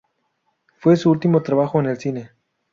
Fue su último trabajo en el cine.